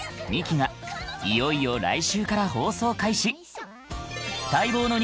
２期がいよいよ来週から放送開始